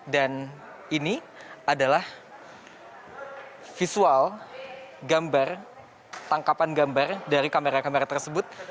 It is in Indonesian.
dan ini adalah visual gambar tangkapan gambar dari kamera kamera tersebut